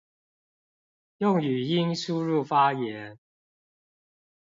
用語音輸入發言